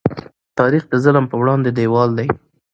تاریخ د ظلم په وړاندې دیوال دی.